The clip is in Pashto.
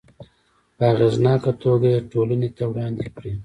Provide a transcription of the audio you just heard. په اغیزناکه توګه یې ټولنې ته وړاندې کړي.